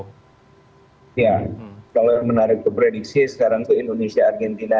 ya kalau menarik ke prediksi sekarang itu indonesia argentina